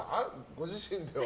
ご自身では。